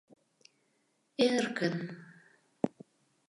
Эркын.